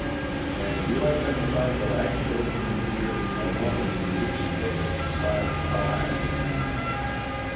"And do you identify what I show you here, a woman's blue slipper, size five?"